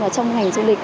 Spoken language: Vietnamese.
trong ngành du lịch